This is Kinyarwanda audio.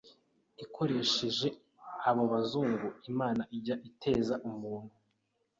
ikoresheje abo bazungu. Imana ijya iteza umuntu